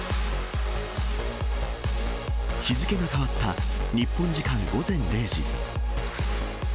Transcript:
日付が変わった日本時間午前０時。